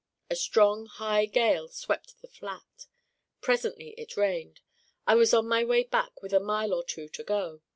A strong high gale swept the Flat. Presently it rained. I was on my way back with a mile or two to go.